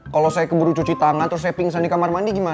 kalau saya keburu cuci tangan terus saya pingsan di kamar mandi gimana